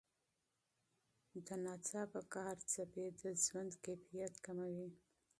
د ناڅاپه غوسې څپې د ژوند کیفیت کموي.